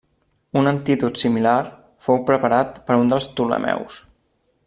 Un antídot similar fou preparat per un dels Ptolemeus.